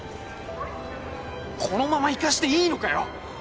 このまま行かしていいのかよ！？